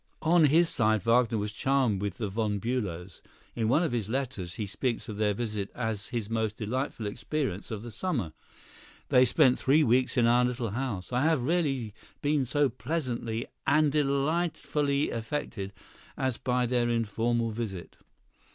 On his side Wagner was charmed with the Von Bülows. In one of his letters he speaks of their visit as his most delightful experience of the summer. "They spent three weeks in our little house; I have rarely been so pleasantly and delightfully affected as by their informal visit.